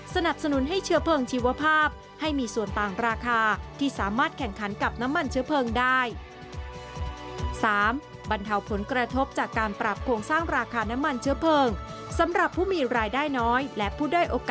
สนับสนุนให้เชื้อเพลิงชีวภาพให้มีส่วนต่างราคาที่สามารถแข่งขันกับน้ำมันเชื้อเพลิงได้